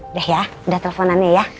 udah ya udah teleponannya ya